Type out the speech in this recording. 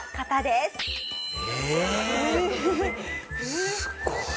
すごい。